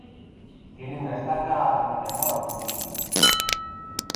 Tiene una estaca a la que llamó "La Puntilla".